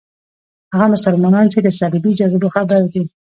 هغه مسلمانان چې له صلیبي جګړو خبر دي.